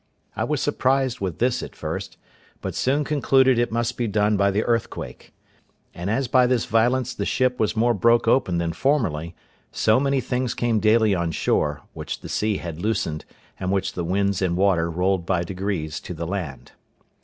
I was surprised with this at first, but soon concluded it must be done by the earthquake; and as by this violence the ship was more broke open than formerly, so many things came daily on shore, which the sea had loosened, and which the winds and water rolled by degrees to the land.